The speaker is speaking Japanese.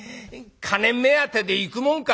金目当てで行くもんか。